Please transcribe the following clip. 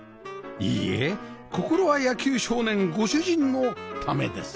いいえ心は野球少年ご主人のためです